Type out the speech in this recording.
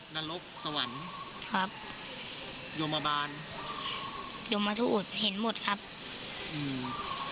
นรกสวรรค์ครับโยมบาลโยมทูตเห็นหมดครับอืม